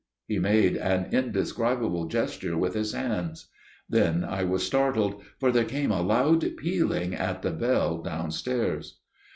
He made an indescribable gesture with his hands. Then I was startled, for there came a loud pealing at the bell downstairs.